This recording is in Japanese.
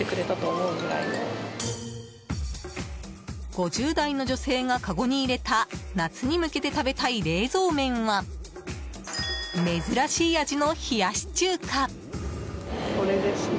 ５０代の女性がかごに入れた夏に向けて食べたい冷蔵麺は珍しい味の冷やし中華。